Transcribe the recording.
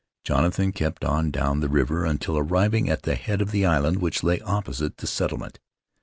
Jonathan kept on down the river until arriving at the head of the island which lay opposite the settlement.